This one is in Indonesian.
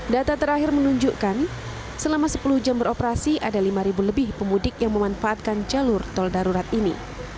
data terakhir menunjukkan selama sepuluh jam beroperasi ada lima lebih pemudik yang memanfaatkan jalur tol darurat ini